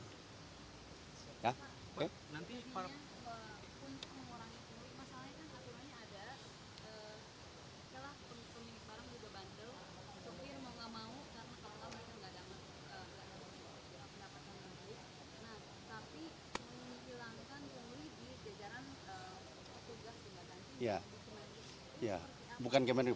itu untuk mengurangi pemuli masalahnya kan akhirnya ada salah pemilik barang juga bantul sopir mau gak mau karena karena mereka gak ada pendapatan lebih